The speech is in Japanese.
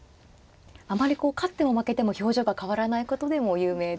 あまりこう勝っても負けても表情が変わらないことでも有名ですよね。